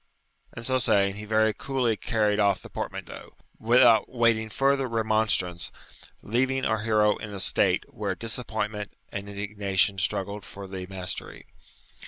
And so saying, he very coolly carried off the portmanteau, without waiting further remonstrance, leaving our hero in a state where disappointment and indignation struggled for the mastery.